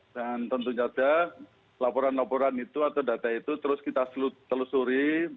dan tentunya ada laporan laporan itu atau data itu terus kita selusuri